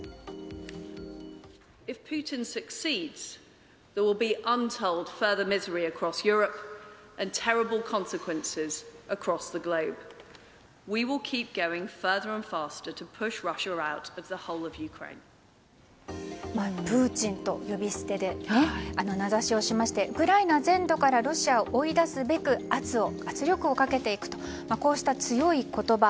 プーチンと呼び捨てで名指しをしましてウクライナ全土からロシアを追い出すべく圧力をかけていくというこうした強い言葉